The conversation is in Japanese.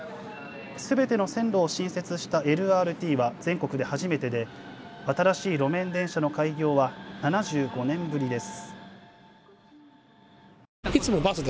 すべての線路を新設したＬＲＴは全国で初めてで新しい路面電車の開業は７５年ぶりです。